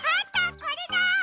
これだ！